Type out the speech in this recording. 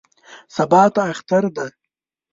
سبا ته اختر دی.